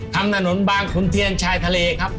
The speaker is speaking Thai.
ทำนานนท์บางคุณเทียนชายทะเลครับ